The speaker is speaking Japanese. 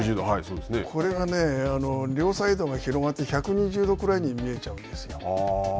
これがね、両サイドが広がって、１２０度ぐらいに見えちゃうんですよ。